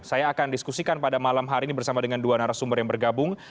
saya akan diskusikan pada malam hari ini bersama dengan dua narasumber yang bergabung